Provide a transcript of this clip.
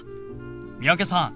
三宅さん